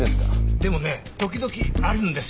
でもね時々あるんですよ。